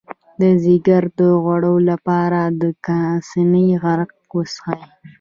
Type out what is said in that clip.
د ځیګر د غوړ لپاره د کاسني عرق وڅښئ